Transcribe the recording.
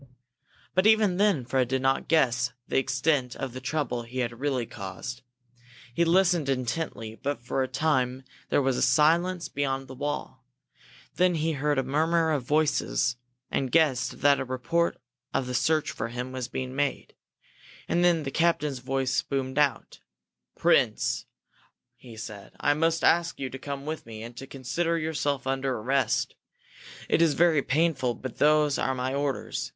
But even then Fred did not guess the extent of the trouble he had really caused. He listened intently, but for a time there was silence beyond the wall. Then he heard a murmur of voices, and guessed that a report of the search for him was being made. And then the captain's voice boomed out. "Prince," he said, "I must ask you to come with me and to consider yourself under arrest. It is very painful but those are my orders.